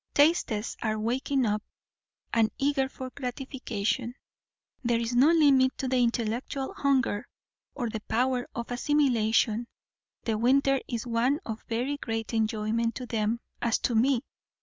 Tastes are waking up, and eager for gratification; there is no limit to the intellectual hunger or the power of assimilation; the winter is one of very great enjoyment to them (as to me!)